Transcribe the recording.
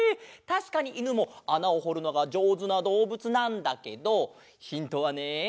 たしかにいぬもあなをほるのがじょうずなどうぶつなんだけどヒントはね